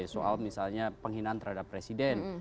soal misalnya penghinaan terhadap presiden